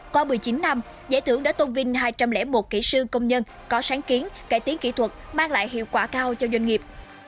qua một mươi chín năm giải thưởng đã tôn vinh hai trăm linh một kỹ sư công nhân có sáng kiến cải tiến kỹ thuật mang lại hiệu quả cao cho doanh nghiệp